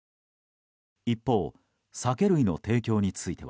一方、酒類の提供については。